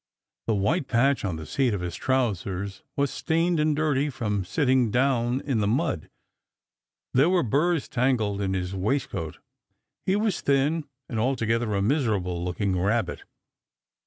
The white patch on the seat of his trousers was stained and dirty from sitting down in the mud. There were burrs tangled in his waistcoat. He was thin and altogether a miserable looking Rabbit.